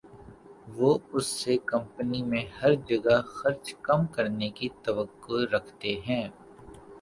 وہ اس سے کمپنی میں ہر جگہ خرچ کم کرنے کی توقع کرتے ہیں